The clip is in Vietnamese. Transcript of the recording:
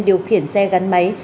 điều khiển xe gắn máy